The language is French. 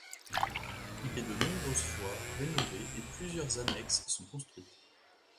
Il est de nombreuses fois rénové et plusieurs annexes sont construites.